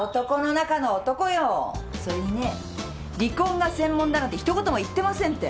それにね離婚が専門だなんてひと言も言ってませんって。